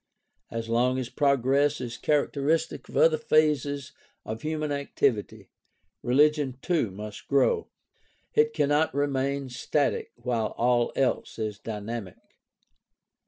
As long as progress is characteristic of other phases of human activity, religion too must grow. It cannot remain static while all else is dynamic.